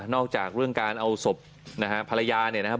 อกจากเรื่องการเอาศพนะฮะภรรยาเนี่ยนะครับ